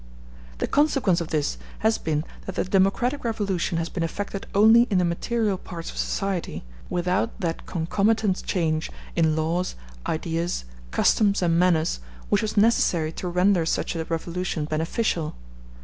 The consequence of this has been that the democratic revolution has been effected only in the material parts of society, without that concomitant change in laws, ideas, customs, and manners which was necessary to render such a revolution beneficial.